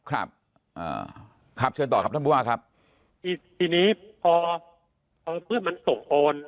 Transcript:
ครับอ่าครับเชิญต่อครับท่านผู้ว่าครับทีนี้พอพอพืชมันส่งโอน